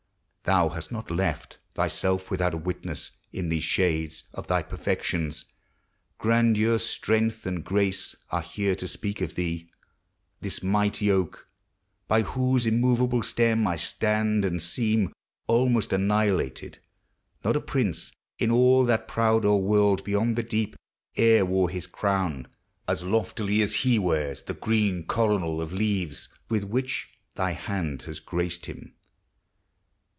Thou hast not left Thyself without a witness, in these shades. Of thy perfections. Grandeur, strength, and graca Are here to speak of thee. This mighty oak. By whose immovable stem I stand and seem Almost annihilated, — not a prince, In all that proud old world beyond the deep, E'er wore his crown as loftily as he Wears the green coronal of leaves with which Thy hand has graced him.